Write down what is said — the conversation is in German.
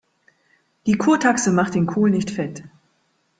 Die Kurtaxe macht den Kohl nicht fett.